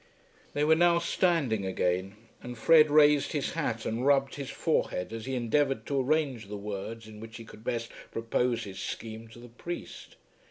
They were now standing again, and Fred raised his hat and rubbed his forehead as he endeavoured to arrange the words in which he could best propose his scheme to the priest.